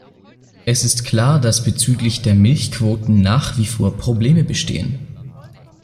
Es ist klar, dass bezüglich der Milchquoten nach wie vor Probleme bestehen.